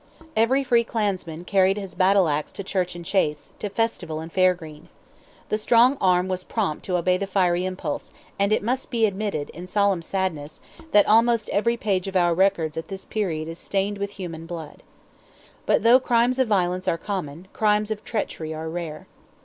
Every free clansman carried his battle axe to church and chase, to festival and fairgreen. The strong arm was prompt to obey the fiery impulse, and it must be admitted in solemn sadness, that almost every page of our records at this period is stained with human blood. But though crimes of violence are common, crimes of treachery are rare.